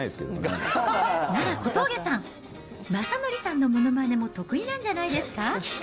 なら、小峠さん、まさのりさんのものまねも得意なんじゃないですか？